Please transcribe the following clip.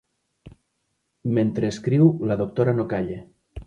Mentre escriu, la doctora no calla.